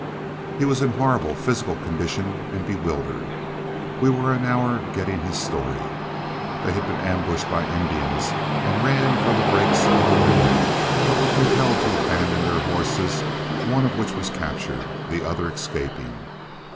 He was in a horrible physical condition, and bewildered. We were an hour getting his story. They had been ambushed by Indians and ran for the brakes of the river, but were compelled to abandon their horses, one of which was captured, the other escaping.